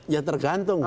ya tergantung mbak